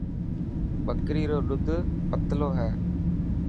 ٻڪري رو ڏوڌ پتلي هي.